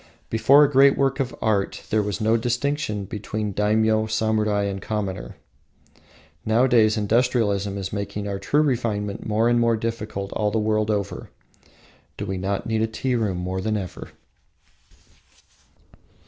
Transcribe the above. Before a great work of art there was no distinction between daimyo, samurai, and commoner. Nowadays industrialism is making true refinement more and more difficult all the world over. Do we not need the tea room more than ever?